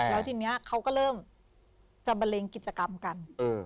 แล้วทีนี้เขาก็เริ่มจะบันเลงกิจกรรมกัน